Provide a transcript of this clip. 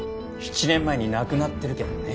７年前に亡くなってるけどね。